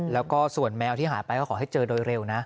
แล้วก็ส่วนแมวที่หายไปก็ขอให้เจอโดยเร็วนะ